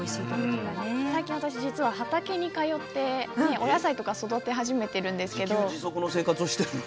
最近、私、実は畑に通っていてお野菜とか育て始めてるんですけど。